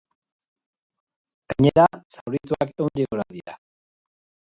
Gainera, zaurituak ehundik gora dira.